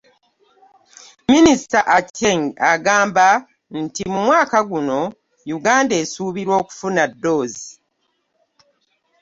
Minisita Aceng agamba nti mu mwaka guno Uganda esuubira okufuna ddoozi